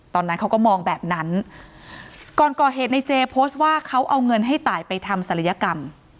ตอนนั้นเขาก็มองแบบนั้นก่อนก่อเหตุในเจโพสต์ว่าเขาเอาเงินให้ตายไปทำศัลยกรรม